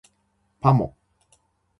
パモ